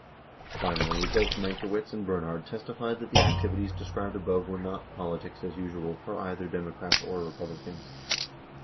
92 Finally, both Mankiewicz and Bernhard testified that the activities described above were not "politics as usual" for either Democrats or Republicans.